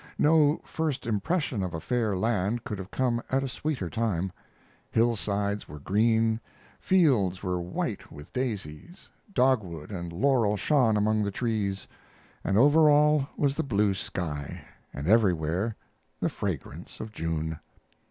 No first impression of a fair land could have come at a sweeter time. Hillsides were green, fields were white with daisies, dog wood and laurel shone among the trees. And over all was the blue sky, and everywhere the fragrance of June.